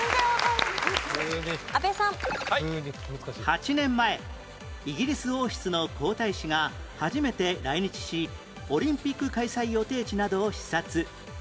８年前イギリス王室の皇太子が初めて来日しオリンピック開催予定地などを視察